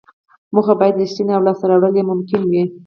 موخه باید ریښتینې او لاسته راوړل یې ممکن وي.